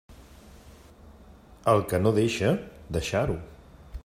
El que no deixa, deixar-ho.